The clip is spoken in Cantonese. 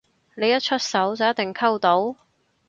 你一出手就一定溝到？